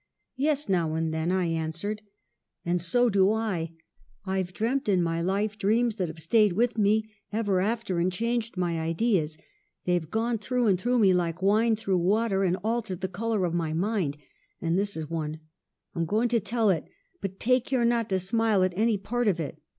" 'Yes, now and then,' I answered. "'And so do I. I've dreamt in my life dreams that have stayed with me ever after and changed my ideas ; they've gone through and through me like wine through water, and altered the color of my mind. And this is one : I'm going to tell it, but take care not to smile at any part of it.'